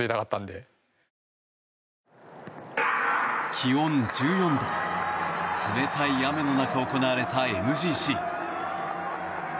気温１４度冷たい雨の中行われたＭＧＣ。